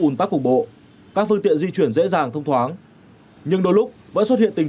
ủn tắc cục bộ các phương tiện di chuyển dễ dàng thông thoáng nhưng đôi lúc vẫn xuất hiện tình